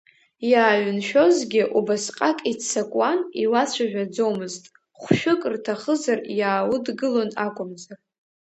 Иааиҩншәозгьы убасҟак иццакуан, иуацәажәаӡомызт, хәшәык рҭахызар иааудгылон акәымзар.